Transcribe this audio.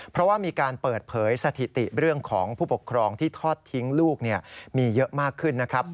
เพราะว่ามีการเปิดเผยสถิติเรื่องของผู้ปกครองที่ทอดทิ้งลูกมีเยอะมากขึ้นนะครับ